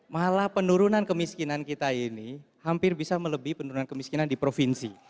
malah penurunan kemiskinan kita ini hampir bisa melebih penurunan kemiskinan di provinsi